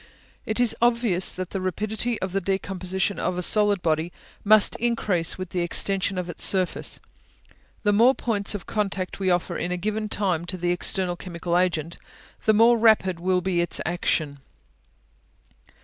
It is obvious that the rapidity of the decomposition of a solid body must increase with the extension of its surface; the more points of contact we offer in a given time to the external chemical agent, the more rapid will be its action.